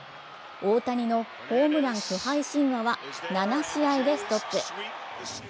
大谷のホームラン不敗神話は７試合でストップ。